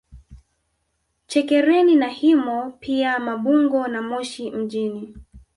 Chekereni na Himo pia Mabungo na Moshi mjini